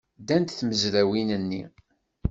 Ddant tmezrawin-nni.